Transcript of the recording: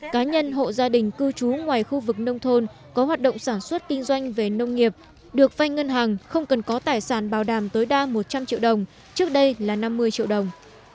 cá nhân hộ gia đình cư trú ngoài khu vực nông thôn có hoạt động sản xuất kinh doanh về nông nghiệp được vai ngân hàng không cần có tài sản bảo đảm tối đa một trăm linh triệu đồng trước đây là năm mươi triệu đồng